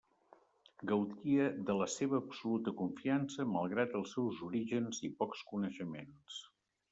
Gaudia de la seva absoluta confiança malgrat els seus orígens i pocs coneixements.